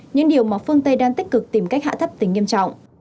những điều mà phương tây đang tích cực tìm cách hạ thấp tính nghiêm trọng